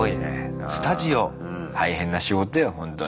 大変な仕事よほんとに。